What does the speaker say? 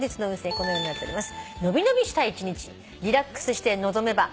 このようになっております。